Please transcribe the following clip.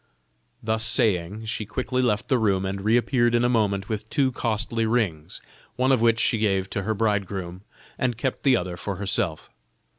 Thus saving, she quickly left the room and reappeared in a moment with two costly rings, one of which she gave to her bridegroom, and kept the other for herself.